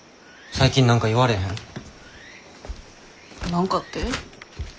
何かって？